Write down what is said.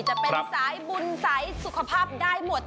จะเป็นสายบุญสายสุขภาพได้หมด